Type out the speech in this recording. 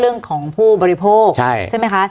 เรื่องของผู้บริโภคใช่ไหมคะ